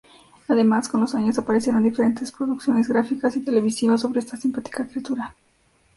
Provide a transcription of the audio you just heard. Además, con los años, aparecieron diferentes producciones gráficas y televisivas sobre esta simpática criatura.